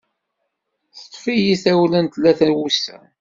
Teṭṭef-iyi tawla n tlata n wussan.